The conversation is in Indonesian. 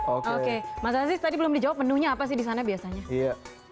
oke mas aziz tadi belum dijawab menunya apa sih di sana biasanya